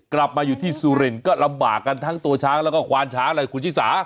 กลับมาอยู่ที่สุรินทร์ก็ลำบากกันทั้งตัวช้างแล้วก็ควานช้างเลยคุณชิสา